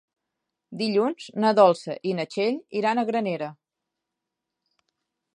Dilluns na Dolça i na Txell iran a Granera.